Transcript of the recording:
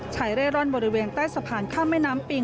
เร่ร่อนบริเวณใต้สะพานข้ามแม่น้ำปิง